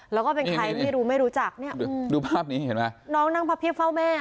แล้วก็เป็นใครไม่รู้ไม่รู้จักเนี่ยดูภาพนี้เห็นไหมน้องนั่งพับเพียบเฝ้าแม่